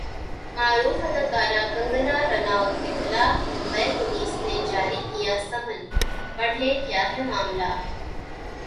معروف اداکارہ کنگنا رناوت کے خلاف ممبئی پولیس نے جاری کیا سمن ، پڑھیں کیا ہے معاملہ